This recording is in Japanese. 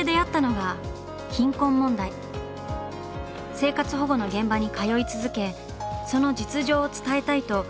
生活保護の現場に通い続けその実情を伝えたいと強く思ったといいます。